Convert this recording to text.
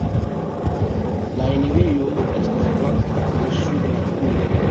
La enirejo estas flanke, ne sub la turo.